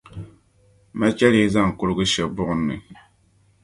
Machɛle yi zaŋ kurigu she buɣim ni.